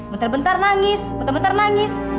bentar bentar nangis bentar bentar nangis